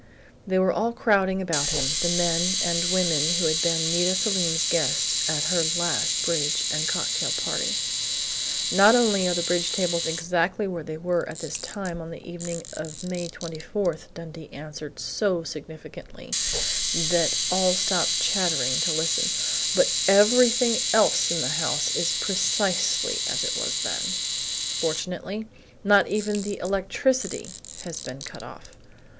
They were all crowding about him the men and women who had been Nita Selim's guests at her last bridge and cocktail party.... "Not only are the bridge tables exactly where they were at this time on the evening of May 24," Dundee answered so significantly that all stopped chattering to listen, "but everything else in the house is precisely as it was then. Fortunately, not even the electricity has been cut off!